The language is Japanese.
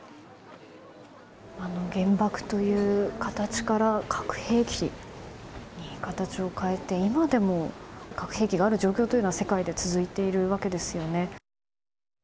原爆という形から核兵器に形を変えて今でも核兵器がある状況は世界で続いているわけですよね。